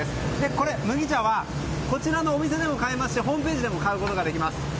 これ、麦茶はこちらのお店でも買えますしホームページでも買うことができます。